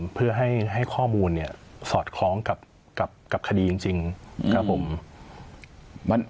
เพื่อให้ข้อมูลเนี่ยสอดคล้องกับคดีจริงครับผม